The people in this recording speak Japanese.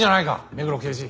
目黒刑事。